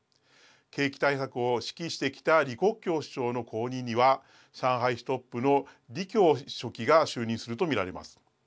景気対策を指揮してきた李克強首相の後任には上海市トップの李強書記が就任すると見られます。